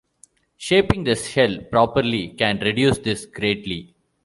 Shaping the shell properly can reduce this greatly.